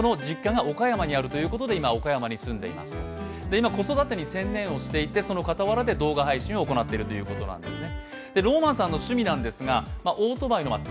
今、子育てに専念をしていてその傍らで動画配信を行っているということなんですね。